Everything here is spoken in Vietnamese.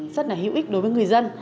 rất là hữu ích đối với người dân